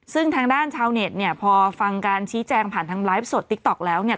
ซึ่งทางด้านชาวเน็ตเนี่ยพอฟังการชี้แจงผ่านทางไลฟ์สดติ๊กต๊อกแล้วเนี่ย